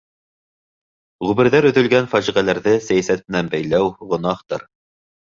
Ғүмерҙәр өҙөлгән фажиғәләрҙе сәйәсәт менән бәйләү — гонаһтыр.